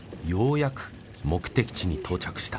やく目的地に到着した。